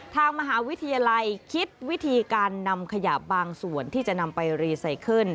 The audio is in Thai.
ทางมหาวิทยาลัยคิดวิธีการนำขยะบางส่วนที่จะนำไปรีไซเคิล